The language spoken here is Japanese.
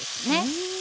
うん。